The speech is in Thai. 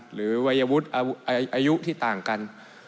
หรือวัยวุฒิอายุที่ต่างกัน